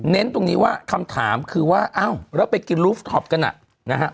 เน้นตรงนี้ว่าคำถามคือว่าอ้าวเราไปกินลูฟท็อปกันนะ